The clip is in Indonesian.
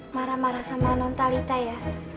marah marah sama nontalita ya